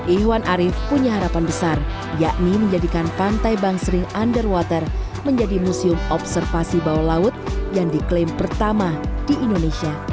iwan arief punya harapan besar yakni menjadikan pantai bangsering underwater menjadi museum observasi bawah laut yang diklaim pertama di indonesia